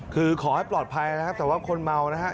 คือขอให้ปลอดภัยนะครับแต่ว่าคนเมานะครับ